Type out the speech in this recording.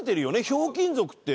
『ひょうきん族』って。